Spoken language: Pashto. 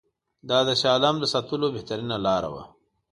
دا د شاه عالم د ساتلو بهترینه لاره وه.